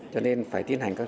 cho nên phải tiến hành cơ hội